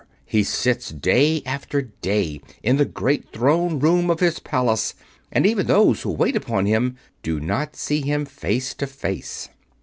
He sits day after day in the great Throne Room of his Palace, and even those who wait upon him do not see him face to face."